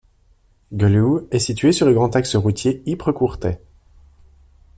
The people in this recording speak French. Geluwe est situé sur le grand Axe routier Ypres - Courtrai.